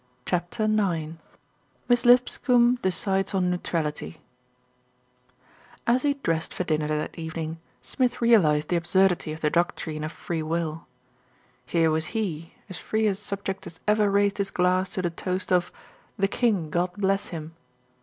CHAPTER IX MISS LIPSCOMBE DECIDES ON NEUTRALITY A he dressed for dinner that evening, Smith realised the absurdity of the doctrine of free will. Here was he, as free a subject as ever raised his glass to the toast of "The King, God bless him!"